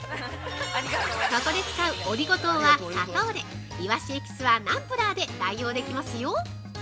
◆ここで使うオリゴ糖は砂糖でいわしエキスはナンプラーで代用できますよ。